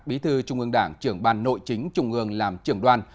bí thư trung ương đảng trưởng ban nội chính trung ương làm trưởng đoàn